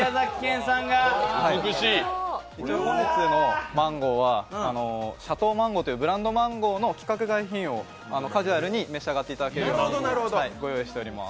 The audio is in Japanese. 本日のマンゴーはシャトーマンゴーというブランドマンゴーの規格外、カジュアルに召し上がっていただこうと思います。